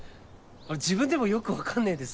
自分でもよく分かんねえです。